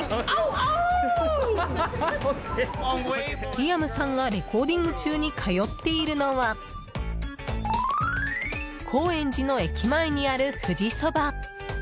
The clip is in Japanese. リアムさんがレコーディング中に通っているのは高円寺の駅前にある富士そば。